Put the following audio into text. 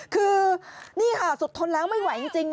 คือนี่ค่ะสุดทนแล้วไม่ไหวจริง